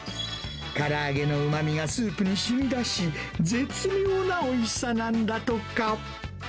から揚げのうまみがスープにしみ出し、絶妙なおいしさなんだとか。